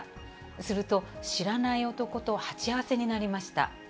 すると、知らない男と鉢合わせになりました。